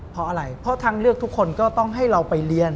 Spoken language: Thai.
เพราะอะไรเพราะทางเลือกทุกคนก็ต้องให้เราไปเรียน